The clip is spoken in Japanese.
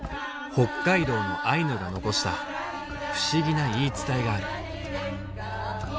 北海道のアイヌが残した不思議な言い伝えがある。